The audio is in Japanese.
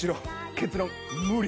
結論「無理！！」